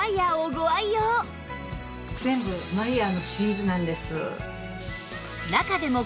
全部マイヤーのシリーズなんです。